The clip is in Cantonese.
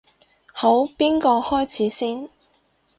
好，邊個開始先？